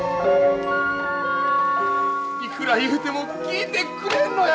いくら言うても聞いてくれんのや！